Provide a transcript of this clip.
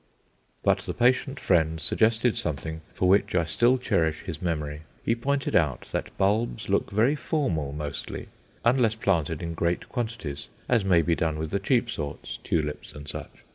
But the patient friend suggested something for which I still cherish his memory. He pointed out that bulbs look very formal mostly, unless planted in great quantities, as may be done with the cheap sorts tulips and such.